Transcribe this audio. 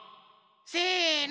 せの！